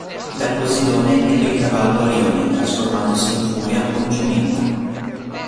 Da Poseidone ebbe il cavallo Arione trasformatosi in Furia o in giumenta.